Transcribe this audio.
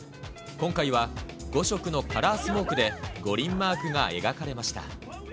今回は５色のカラースモークで五輪マークが描かれました。